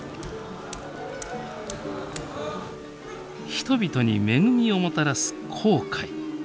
人々に恵みをもたらす紅海。